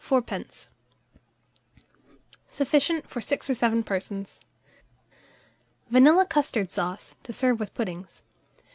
Sufficient for 6 or 7 persons. VANILLA CUSTARD SAUCE, to serve with Puddings.